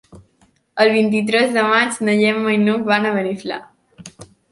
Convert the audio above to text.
El vint-i-tres de maig na Gemma i n'Hug van a Beniflà.